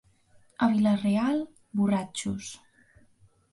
A Vila-real, borratxos.